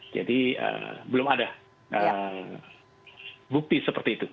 jadi belum ada bukti seperti itu